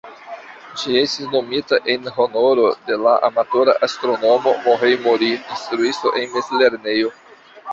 Ĝi estis nomita en honoro de la amatora astronomo "Kohei Mori", instruisto en mezlernejo.